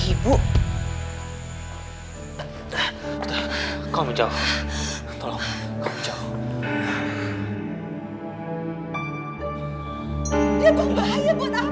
dia bahaya buat abang